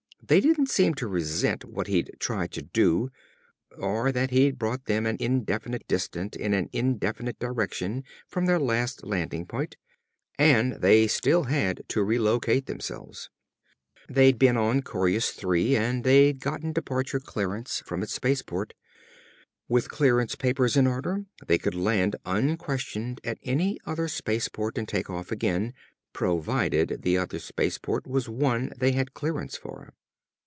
They didn't seem to resent what he'd tried to do, or that he'd brought them an indefinite distance in an indefinite direction from their last landing point, and they had still to re locate themselves. They'd been on Coryus Three and they'd gotten departure clearance from its space port. With clearance papers in order, they could land unquestioned at any other space port and take off again provided the other space port was one they had clearance for.